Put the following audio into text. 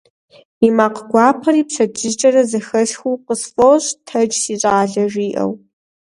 И макъ гуапэри пщэдджыжькӏэрэ зэхэсхыу къысфӏощӏ: «Тэдж, си щӏалэ», - жиӏэу.